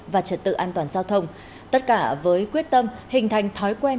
và trật tự an toàn giao thông tất cả với quyết tâm hình thành thói quen